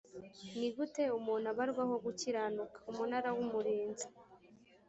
ni gute umuntu abarwaho gukiranuka umunara w umurinzi